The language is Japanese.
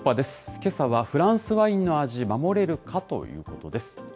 けさはフランスワインの味守れるかということです。